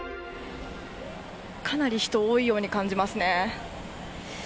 かなり人、多いように感じますね。